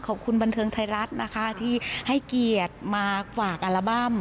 ขอบคุณบันเทิงไทยรัฐนะคะที่ให้เกียรติมาฝากอัลบั้ม